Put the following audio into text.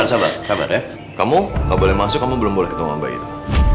udah sabar sabar ya kamu gak boleh masuk kamu belum boleh ketemu mbak itu